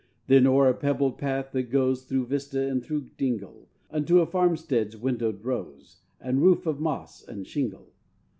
Then o'er a pebbled path that goes, Through vista and through dingle, Unto a farmstead's windowed rose, And roof of moss and shingle.